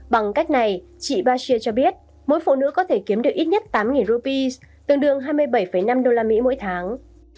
bằng cách này chị bashir cho biết mỗi phụ nữ có thể kiếm được ít nhất tám rupee tương đương hai mươi bảy năm usd mỗi tháng